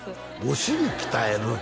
お尻鍛える？